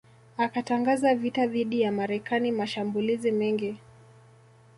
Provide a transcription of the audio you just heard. akatangaza vita dhidi ya Marekani mashambulizi mengi